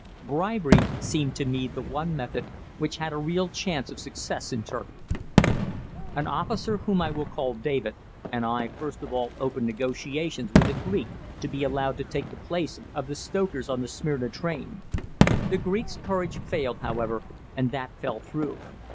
Bribery seemed to me the one method which had a real chance of success in Turkey. An officer, whom I will call David, and I first of all opened negotiations with a Greek to be allowed to take the place of the stokers on the Smyrna train. The Greek's courage failed, however, and that fell through.